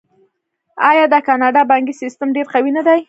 آیا د کاناډا بانکي سیستم ډیر قوي نه دی؟